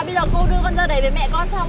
bây giờ cô đưa con ra đấy với mẹ con xong